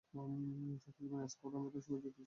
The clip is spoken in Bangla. ছাত্রজীবনে স্কাউট আন্দোলনের সঙ্গে যুক্ত ছিলেন।